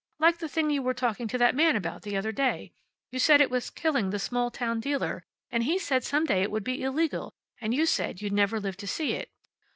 Like the thing you were talking to that man about the other day. You said it was killing the small town dealer, and he said some day it would be illegal, and you said you'd never live to see it."